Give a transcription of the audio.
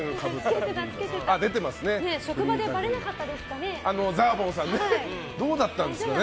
職場でばれなかったですかね？